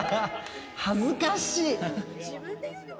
恥ずかしい。